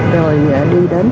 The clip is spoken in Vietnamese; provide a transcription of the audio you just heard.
rồi đi đến